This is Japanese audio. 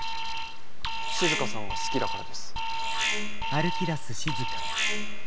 静さんが好きだからです。